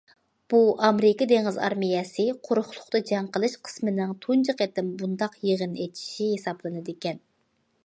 بۇ ئامېرىكا دېڭىز ئارمىيەسى قۇرۇقلۇقتا جەڭ قىلىش قىسمىنىڭ تۇنجى قېتىم بۇنداق يىغىنى ئېچىشى ھېسابلىنىدىكەن.